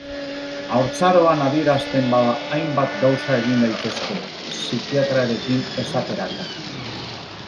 Haurtzaroan adierazten bada hainbat gauza egin daitezke, psikiatriarekin esaterako.